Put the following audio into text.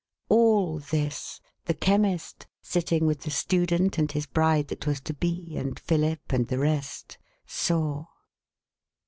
All this, the Chemist, sitting with the student and his bride that was to be, and Philip, and the rest, saw.